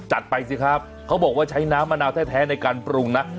จัดไปสิครับเขาบอกว่าใช้น้ำมะนาวแท้ในการปรุงนะ